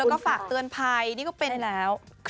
แล้วก็เกิดไขท่านเอง